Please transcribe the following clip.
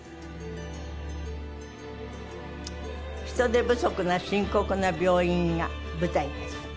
人手不足が深刻な病院が舞台です。